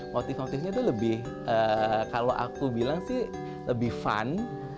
motif motifnya itu lebih kalau aku bilang sih lebih fun